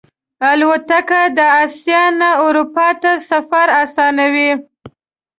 الوتکه د آسیا نه اروپا ته سفر آسانوي.